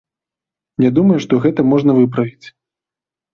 Я думаю, што гэта можна выправіць.